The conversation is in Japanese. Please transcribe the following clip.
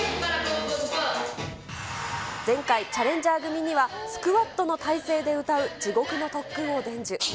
前回、チャレンジャー組にはスクワットの体勢で歌う、地獄の特訓を伝授。